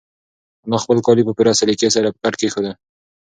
انا خپل کالي په پوره سلیقې سره په کټ کېښودل.